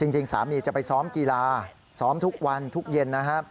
จริงสามีจะไปซ้อมกีฬาซ้อมทุกวันทุกเย็นนะครับ